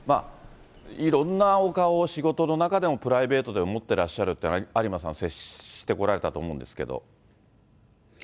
いろんなお顔を仕事の中でも、プライベートでも持ってらっしゃるって、有馬さん、接してこられたと思うんですけど。